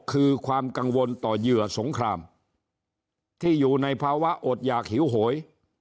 คือความกังวลต่อเหยื่อสงครามที่อยู่ในภาวะอดหยากหิวโหย